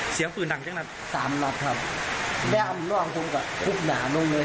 เสียงฝืนนักจากนั้น๓นับครับแด้วร่องผมก็คุกหนาลงเลย